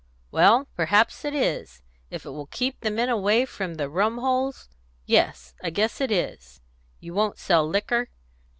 "Well, perhaps it is, if it will keep the men away from the rum holes. Yes, I guess it is. You won't sell liquor?"